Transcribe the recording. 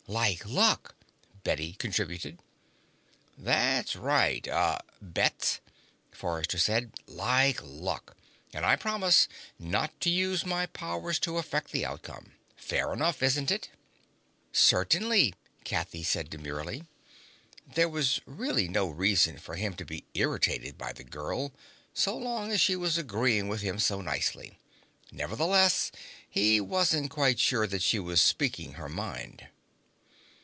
"Like luck," Bette contributed. "That's right uh Bets," Forrester said. "Like luck. And I promise not to use my powers to affect the outcome. Fair enough, isn't it?" "Certainly," Kathy said demurely. There was really no reason for him to be irritated by the girl, so long as she was agreeing with him so nicely. Nevertheless, he wasn't quite sure that she was speaking her mind.